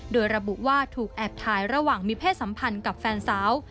โดยระบุว่าถูกแอบถ่ายระหว่างมีเพศสัมพันธ์กับแฟนสาว